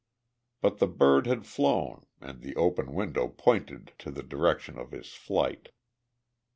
But the bird had flown and the open window pointed to the direction of his flight.